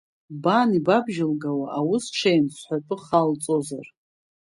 Бан ибабжьылгауа аус ҽеим, сҳәатәы халҵозар.